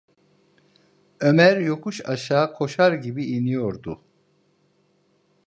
Ömer yokuş aşağı koşar gibi iniyordu.